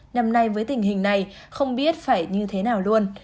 năm nay với tình hình này không biết phải như thế nào luôn